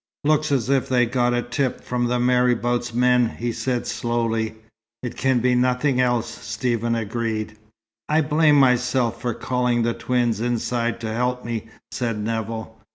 "Looks as if they'd got a tip from the marabout's men," he said slowly. "It can be nothing else," Stephen agreed. "I blame myself for calling the twins inside to help me," said Nevill.